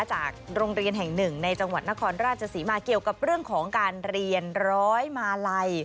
จากโรงเรียนแห่งหนึ่งในจังหวัดนครราชศรีมาเกี่ยวกับเรื่องของการเรียนร้อยมาลัย